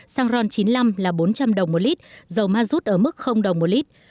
xăng ron chín mươi năm là bốn trăm linh đồng một lít dầu mazut ở mức đồng một lít